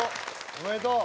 おめでとう。